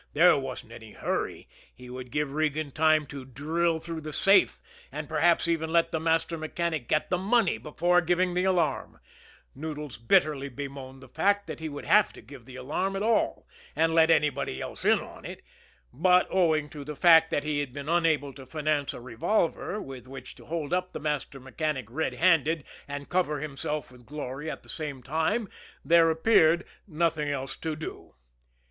There wasn't any hurry; he would give Regan time to drill through the safe, and perhaps even let the master mechanic get the money before giving the alarm Noodles bitterly bemoaned the fact that he would have to give the alarm at all and let anybody else in on it, but, owing to the fact that he had been unable to finance a revolver with which to hold up the master mechanic red handed and cover himself with glory at the same time, there appeared to be nothing else to do.